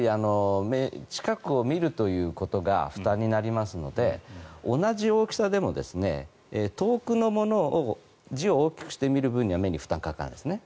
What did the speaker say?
近くを見るということが負担になりますので同じ大きさでも遠くのものを字を大きくして見る分には目に負担がかからないですね。